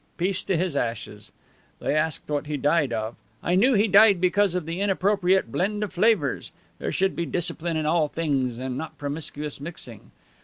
Peace to his ashes! They asked what he died of. I knew he died because of the inappropriate blend of flavors. There should be discipline in all things and not promiscuous mixing.